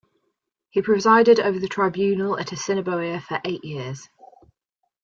He presided over the tribunal at Assiniboia for eight years.